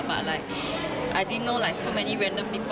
ผมไม่ค่อยคิดว่าทุกคนจะมาเจอกัน